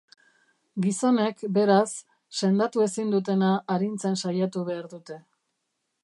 Gizonek, beraz, sendatu ezin dutena arintzen saiatu behar dute.